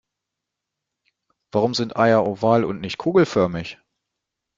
Warum sind Eier oval und nicht kugelförmig?